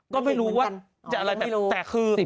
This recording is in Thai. ก็ไม่รู้ว่าจะอะไรแบบแต่คือ